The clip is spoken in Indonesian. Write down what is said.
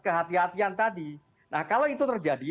kehatian kehatian tadi nah kalau itu terjadi